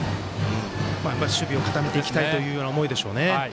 守備固めていきたいという思いでしょうね。